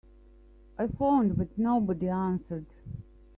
I phoned but nobody answered.